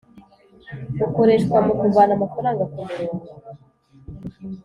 Bukoreshwa mu kuvana amafaranga ku murongo